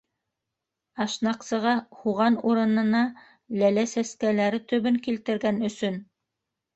Ашнаҡсыға һуған урынына ләлә сәскәләре төбөн килтергән өсөн!